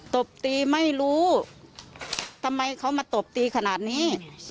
ตบตีไม่รู้ทำไมเขามาตบตีขนาดนี้